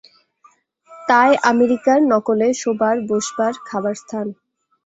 তায় আমেরিকার নকলে শোবার বসবার খাবার স্থান।